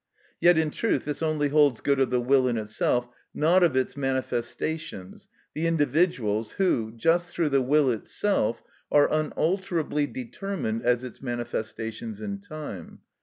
Yet, in truth, this only holds good of the will in itself, not of its manifestations, the individuals, who, just through the will itself, are unalterably determined as its manifestations in time.